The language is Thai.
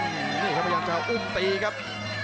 เจมซ์พยายามจะอุ้มปีครับ